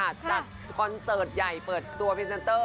จัดคอนเสิร์ตใหญ่เปิดตัวพรีเซนเตอร์